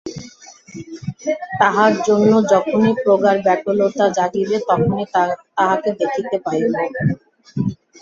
তাঁহার জন্য যখনই প্রগাঢ় ব্যাকুলতা জাগিবে, তখনই তাঁহাকে দেখিতে পাইব।